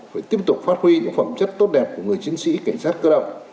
và tiếp tục phát huy những phẩm chất tốt đẹp của người chính sĩ cảnh sát cơ động